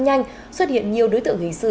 nhanh xuất hiện nhiều đối tượng hình sự